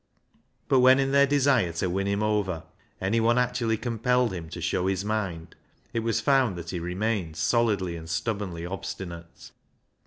But 353 360 BECKSIDE LIGHTS when, in their desire to win him over, anyone actually compelled him to show his mind, it was found that he remained solidly and stub bornly obstinate.